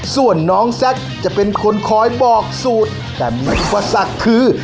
ส่วนน้องแซคจะเป็นคนคอยบอกสูตรแต่มีอุปสรรคคือ